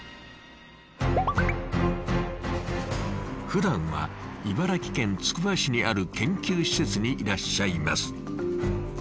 ふだんは茨城県つくば市にある研究施設にいらっしゃいます。